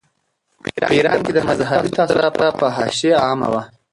په ایران کې د مذهبي تعصب سره سره فحاشي عامه وه.